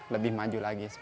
lebih maju lagi